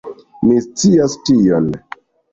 Mi scias tion.